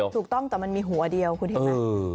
ถูกต้องแต่มันมีหัวเดียวคุณเห็นไหม